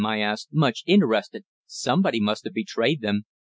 I asked, much interested. "Somebody must have betrayed them."